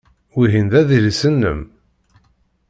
Wihin d adlis-nnem?